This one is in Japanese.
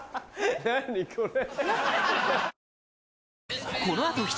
何これ。